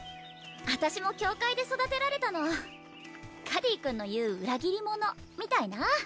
私も教会で育てられたのカディ君の言う裏切り者みたいな？